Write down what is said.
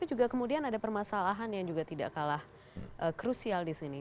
tapi juga kemudian ada permasalahan yang juga tidak kalah krusial di sini